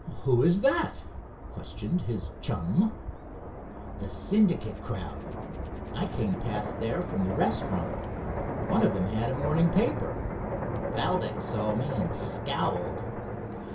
"Who is that?" questioned his chum. "The Syndicate crowd. I came past there from the restaurant. One of them had a morning paper. Valdec saw me and scowled.